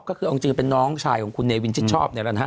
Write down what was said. ก็คือเอาจริงเป็นน้องชายของคุณเนวินชิดชอบ